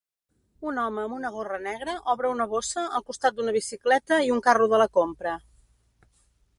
Un home amb una gorra negra obre una bossa al costat d'una bicicleta i un carro de la compra.